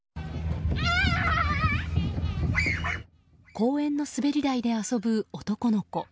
公園の滑り台で遊ぶ男の子。